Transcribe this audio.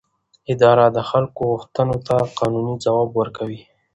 اداره د خلکو غوښتنو ته قانوني ځواب ورکوي.